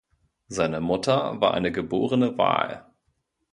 Seine Mutter war eine geborene Wahl.